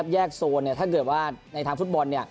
แยกโซนถ้าเกิดว่าในทางฟุตบอล